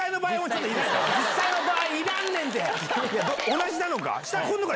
同じなのかを！